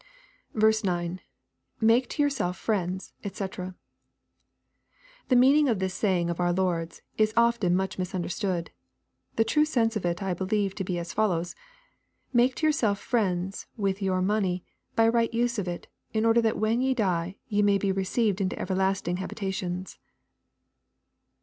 D. — [Make to yourselves friends^ <j&c.] The meaning of this saying of our Lord's, is often much misunderstood. The true sense of it I believe to be as follows, " Make to yourselves friends with your money, — by a right use of it, — ^in order that when ye die, ye may be received into everlasting habitations."